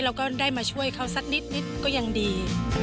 เราก็ได้มาช่วยเขาสักนิดก็ยังดี